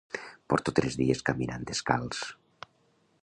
Porto tres dies caminant descalç.